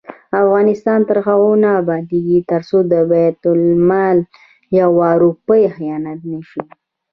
افغانستان تر هغو نه ابادیږي، ترڅو د بیت المال یوه روپۍ خیانت نشي.